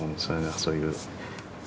そういう。